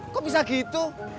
kok bisa gitu